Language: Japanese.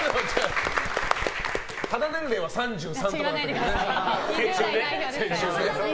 肌年齢は３３とか言われてたけどね。